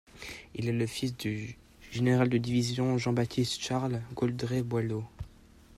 Il est le fil du général de division Jean-Baptiste-Charles Gauldrée-Boilleau.